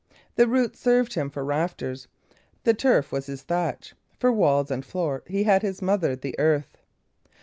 The roots served him for rafters, the turf was his thatch; for walls and floor he had his mother the earth.